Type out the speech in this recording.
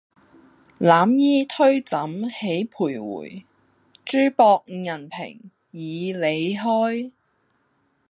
攬衣推枕起徘徊，珠箔銀屏迤邐開。